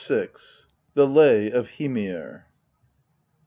THE LAY OF HYMIR.